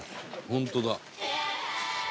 「本当だ」